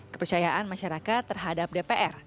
kepercayaan masyarakat terhadap dpr